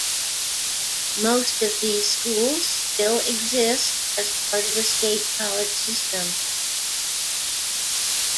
Most of these schools still exist as part of the state college system.